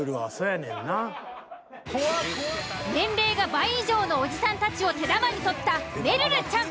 年齢が倍以上のオジさんたちを手玉に取っためるるちゃん。